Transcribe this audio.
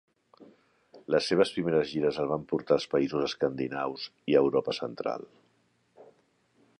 Les seves primeres gires el van portar als Països Escandinaus i Europa central.